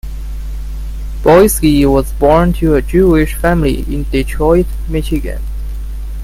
Boesky was born to a Jewish family in Detroit, Michigan.